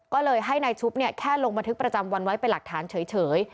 ก็เลยให้นายชุบแค่ลงบันทึกประจำวันไว้เป็นหลักฐานเฉย